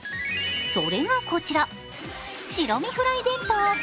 それがこちら、白身フライ弁当。